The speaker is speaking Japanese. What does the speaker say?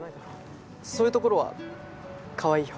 そういうところはかわいいよ。